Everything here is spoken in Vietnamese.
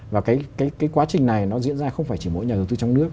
và cái quá trình này nó diễn ra không phải chỉ mỗi nhà đầu tư trong nước